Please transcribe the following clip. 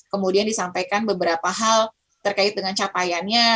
kemudian disampaikan beberapa hal terkait dengan capaiannya